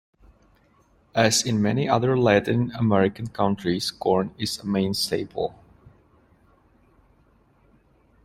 As in many other Latin American countries, corn is a main staple.